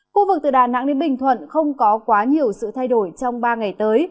khu vực từ đà nẵng đến bình thuận không có quá nhiều sự thay đổi trong ba ngày tới